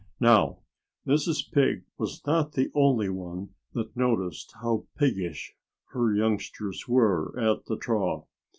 Now, Mrs. Pig was not the only one that noticed how piggish her youngsters were at the trough.